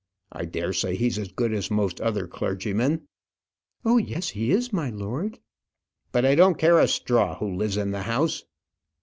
I dare say he's as good as most other clergymen " "Oh, yes; he is, my lord." "But I don't care a straw who lives in the house."